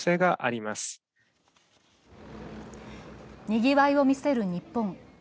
にぎわいを見せる日本。